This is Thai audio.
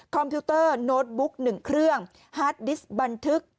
พิวเตอร์โน้ตบุ๊ก๑เครื่องฮาร์ดดิสต์บันทึก